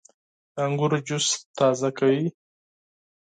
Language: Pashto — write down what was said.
• د انګورو جوس تازه کوي.